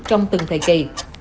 trong từng thời kỳ